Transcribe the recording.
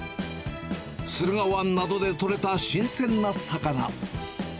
駿河湾などで取れた新鮮な魚。